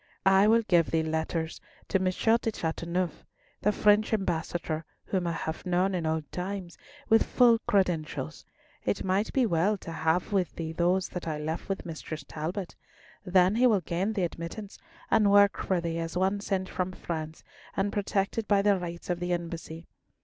I will give thee letters to M. De Chateauneuf, the French Ambassador, whom I have known in old times, with full credentials. It might be well to have with thee those that I left with Mistress Talbot. Then he will gain thee admittance, and work for thee as one sent from France, and protected by the rights of the Embassy.